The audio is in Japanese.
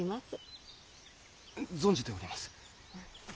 存じております。